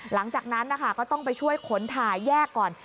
หลังจากนั้นนะคะก็ต้องไปช่วยขนถ่ายแยกก่อน